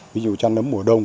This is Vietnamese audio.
ví dụ cho nấm mùa đông